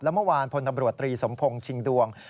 แล้วเมื่อวานพนับรวจตรีสมพงศ์ชิงดวง